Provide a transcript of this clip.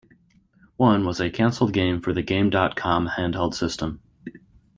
One was a canceled game for the game dot com handheld system.